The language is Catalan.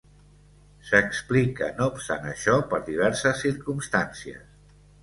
S'explica no obstant això, per diverses circumstàncies.